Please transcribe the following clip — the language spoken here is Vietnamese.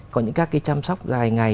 còn những các cái chăm sóc dài ngày